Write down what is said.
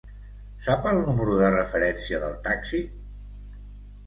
Sap el número de referència del taxi?